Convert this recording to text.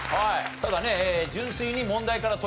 ただね。